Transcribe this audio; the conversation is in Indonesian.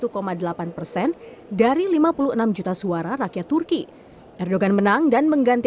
kami siap untuk melindungi mereka